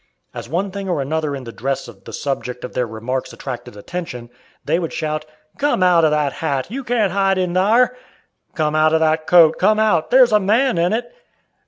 As one thing or another in the dress of the "subject" of their remarks attracted attention, they would shout, "Come out of that hat! you can't hide in thar!" "Come out of that coat, come out there's a man in it!"